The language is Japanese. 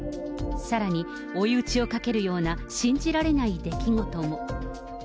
さらに、追い打ちをかけるような信じられない出来事も。